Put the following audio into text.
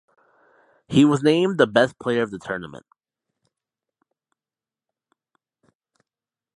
He was named the best player of the tournament.